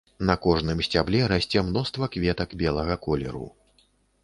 На кожным сцябле расце мноства кветак белага колеру.